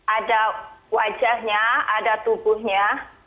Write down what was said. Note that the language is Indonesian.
ada wajahnya ada tubuhnya